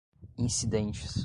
incidentes